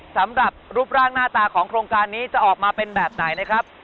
สำหรับรูปร่างหน้าตาของโครงการนี้จะออกมาเป็นแบบไหนนะครับ